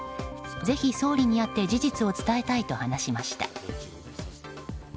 ぜひ総理に会って事実を伝えたいと話しました。